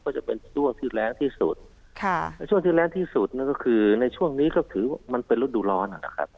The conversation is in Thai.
ก็จะเป็นช่วงที่แรงที่สุดในช่วงที่แรงที่สุดนั่นก็คือในช่วงนี้ก็ถือมันเป็นฤดูร้อนนะครับ